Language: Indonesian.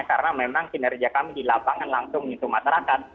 karena memang kinerja kami di lapangan langsung menyentuh masyarakat